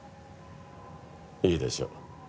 いいでしょう。